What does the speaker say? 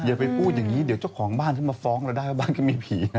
อย่าไปพูดอย่างนี้เดี๋ยวเจ้าของบ้านเขามาฟ้องเราได้ว่าบ้านก็มีผี